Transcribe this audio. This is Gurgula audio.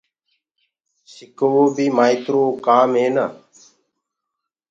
سڪووو بي مآئيترو ڪآم هي نآ